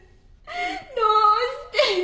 どうしてよ？